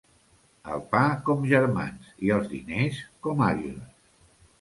El pa com germans i els diners com àguiles.